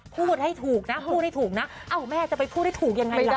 พูดให้ถูกนะพูดให้ถูกนะเอ้าแม่จะไปพูดให้ถูกยังไงล่ะ